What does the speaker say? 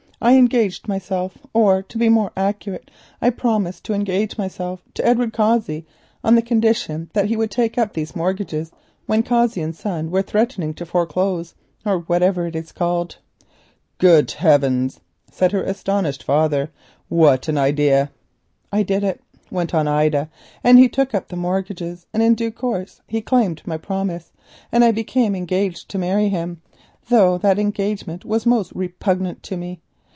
I engaged myself—or, to be more accurate, I promised to engage myself—to Edward Cossey on the condition that he would take up these mortgages when Cossey and Son were threatening to foreclose, or whatever it is called." "Good heavens!" said her astonished father, "what an idea!" "I did it," went on Ida, "and he took up the mortgages, and in due course he claimed my promise, and I became engaged to marry him, though that engagement was repugnant to me.